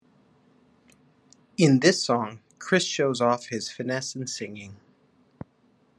In this song Chris shows off his finesse in singing.